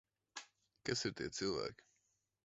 Kas ir tie cilvēki?